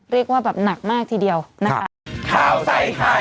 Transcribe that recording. เรียกว่าแบบหนักมากทีเดียวนะคะ